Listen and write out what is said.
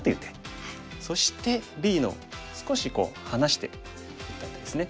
そしてＢの少し離して打った手ですね。